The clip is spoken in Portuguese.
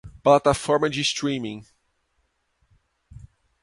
plataforma de streaming